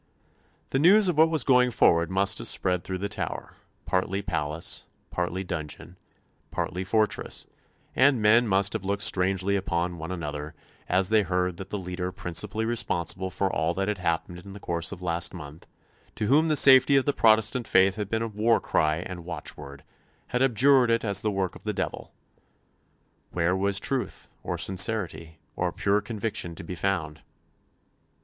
The news of what was going forward must have spread through the Tower, partly palace, partly dungeon, partly fortress; and men must have looked strangely upon one another as they heard that the leader principally responsible for all that had happened in the course of the last month, to whom the safety of the Protestant faith had been war cry and watchword, had abjured it as the work of the devil. Where was truth, or sincerity, or pure conviction to be found?